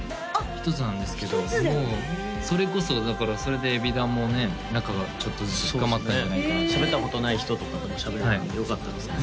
１つなんですけどもうそれこそだからそれでＥＢｉＤＡＮもね仲がちょっとずつ深まったんじゃないかなってしゃべったことない人とかとしゃべれたんでよかったですね